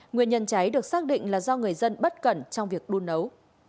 nguyên nhân cháy được xác định là do người dân bất cẩn trong việc đun nấu